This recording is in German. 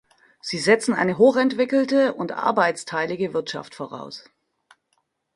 Sie setzen eine hochentwickelte und arbeitsteilige Wirtschaft voraus.